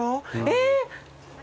えっ！